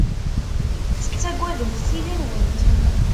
Tettagademt tili-nwent.